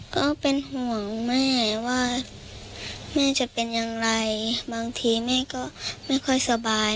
ก็เป็นห่วงแม่ว่าแม่จะเป็นอย่างไรบางทีแม่ก็ไม่ค่อยสบาย